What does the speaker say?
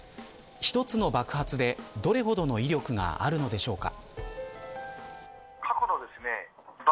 １つの爆発で、どれほどの威力があるのでしょうか。